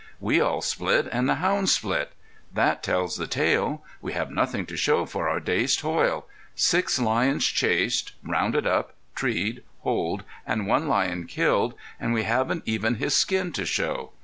We all split and the hounds split. That tells the tale. We have nothing to show for our day's toil. Six lions chased, rounded up, treed, holed, and one lion killed, and we haven't even his skin to show.